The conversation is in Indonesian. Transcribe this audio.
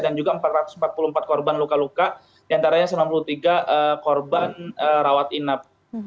dan juga empat ratus empat puluh empat korban luka luka diantaranya sembilan puluh tiga korban rawat inap